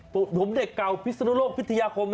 ผมเด็กเก่าพิศนุโลกพิทยาคม